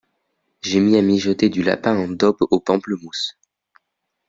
J’ai mis à mijoter du lapin en daube aux pamplemousses.